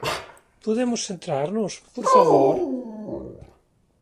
Podemos centrarnos, por favor?